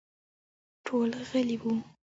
ټول غلي وو.